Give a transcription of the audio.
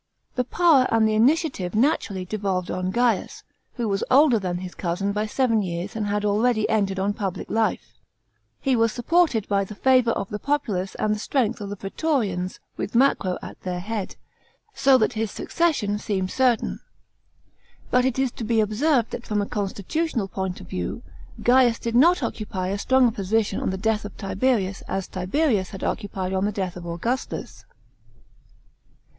The power and the initiative naturally devolved on Gaius, who was older than his cousin by seven years and had Already entered on public life. He was supported by the favour of the populace and the strength of the praetorians with Macro at their head; so that his succession seemtd certain. But it is to be observed that from a constitutional point of view Gaius did not occupy as strong a position on ihe death ot Tiberius as Tiberius had occupied on the death of Augustus.